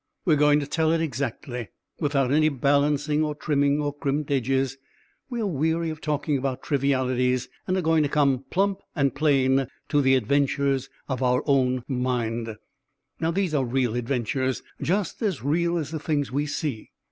We are going to tell it exactly, without any balancing or trimming or crimped edges. We are weary of talking about trivialities and are going to come plump and plain to the adventures of our own mind. These are real adventures, just as real as the things we see.